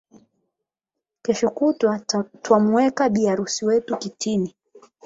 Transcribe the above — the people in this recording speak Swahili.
Kesho kutwa twamuweka bi harusi wetu kitini